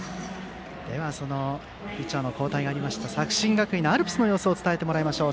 ではピッチャーの交代があった作新学院のアルプスの様子を伝えてもらいましょう。